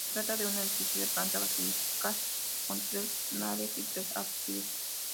Se trata de un edificio de planta basilical, con tres naves y tres ábsides.